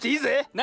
な！